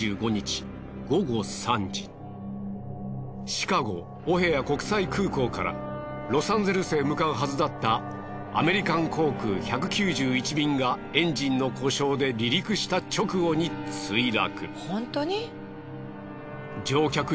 シカゴ・オヘア国際空港からロサンゼルスへ向かうはずだったアメリカン航空１９１便がエンジンの故障で離陸した直後に墜落。